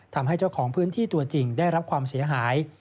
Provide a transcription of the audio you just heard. ทำให้เจ้าของพื้นที่ตัวจริงได้รับความเสียหาย